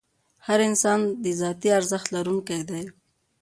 هر انسان د ذاتي ارزښت لرونکی دی.